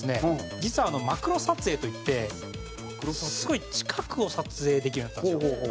実はマクロ撮影といってすごい近くを撮影できるようになったんですよ。